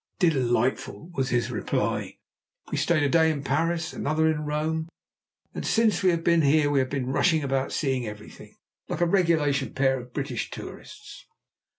"Delightful!" was his reply. "We stayed a day in Paris, and another in Rome, and since we have been here we have been rushing about seeing everything, like a regulation pair of British tourists."